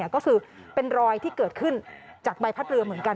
ก็คือเป็นรอยที่เกิดขึ้นจากใบพัดเรือเหมือนกัน